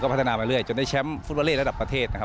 ก็พัฒนาไปเรื่อยจนได้แชมป์ฟุตบอลเล่ระดับประเทศ